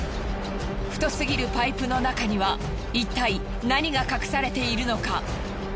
太すぎるパイプの中にはいったい何が隠されているのか？